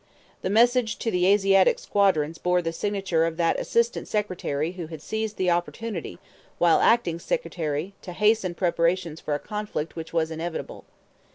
"The message to the Asiatic squadron bore the signature of that Assistant Secretary who had seized the opportunity while Acting Secretary to hasten preparations for a conflict which was inevitable.